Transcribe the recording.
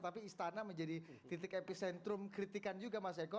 tapi istana menjadi titik epicentrum kritikan juga mas eko